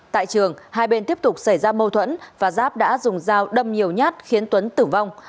tại trường hai bên tiếp tục xảy ra mâu thuẫn và giáp đã dùng dao đâm nhiều nhát khiến tuấn tử vong